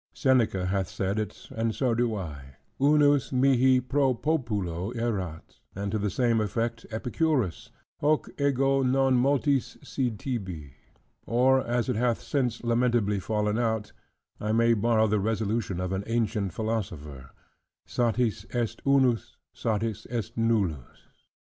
Seneca hath said it, and so do I: "Unus mihi pro populo erat"; and to the same effect Epicurus, "Hoc ego non multis sed tibi"; or (as it hath since lamentably fallen out) I may borrow the resolution of an ancient philosopher, "Satis est unus, satis est nullus."